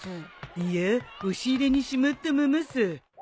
いや押し入れにしまったままさ。